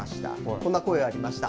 こんな声ありました。